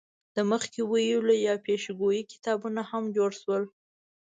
د مخکې ویلو یا پیشګویۍ کتابونه هم جوړ شول.